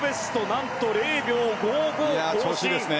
何と、０秒５５更新。